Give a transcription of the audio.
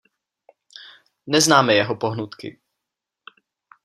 Neznáme jeho pohnutky.